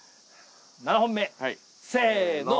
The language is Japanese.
７本目せの。